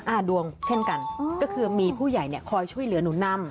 ดวงเช่นกันก็คือมีผู้ใหญ่เนี่ยคอยช่วยเหลือหนูนำ